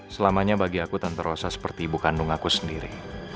selamanya bagi aku tak terasa seperti ibu kandung aku sendiri